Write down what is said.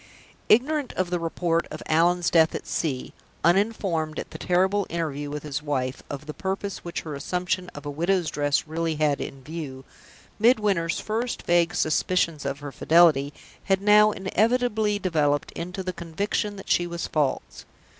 Ignorant of the report of Allan's death at sea; uninformed, at the terrible interview with his wife, of the purpose which her assumption of a widow's dress really had in view, Midwinter's first vague suspicions of her fidelity had now inevitably developed into the conviction that she was false.